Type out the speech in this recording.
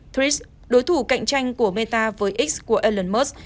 tris đối thủ cạnh tranh của meta với x của elon musk